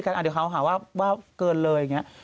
เดี๋ยวเขาหาว่าเกินเลยอย่างนี้